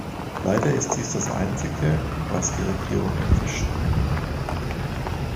Leider ist dies das Einzige, was die Regierungen verstehen.